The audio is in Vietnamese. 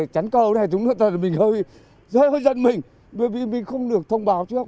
chắn cầu này chúng tôi hơi giận mình bởi vì mình không được thông báo trước